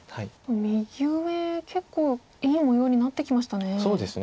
右上結構いい模様になってきましたね。